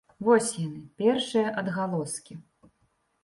Вось яны, першыя адгалоскі.